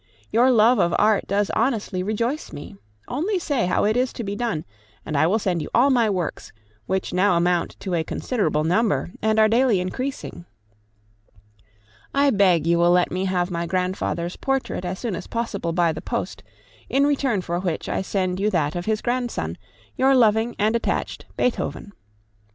Your love of art does honestly rejoice me. Only say how it is to be done, and I will send you all my works, which now amount to a considerable number, and are daily increasing. I beg you will let me have my grandfather's portrait as soon as possible by the post, in return for which I send you that of his grandson, your loving and attached Beethoven.